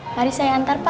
mari saya hantar pak